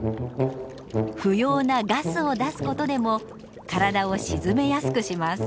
不要なガスを出すことでも体を沈めやすくします。